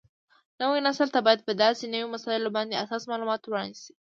نوي نسل ته باید په داسې نوو مسایلو باندې اساسي معلومات وړاندې شي